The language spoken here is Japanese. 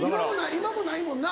今もないもんな？